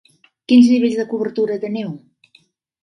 Quins nivells de cobertura teniu?